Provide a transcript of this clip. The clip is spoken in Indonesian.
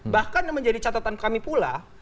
bahkan yang menjadi catatan kami pula